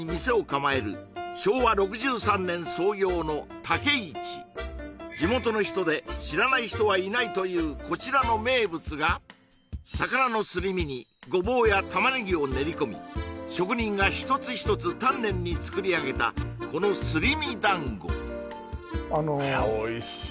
昭和６３年創業の竹いち地元の人で知らない人はいないというこちらの名物が魚のすり身にごぼうや玉ねぎを練り込み職人が一つ一つ丹念に作り上げたこのすり身団子あらおいし